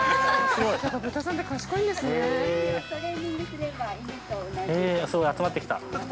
◆すごい、集まってきた。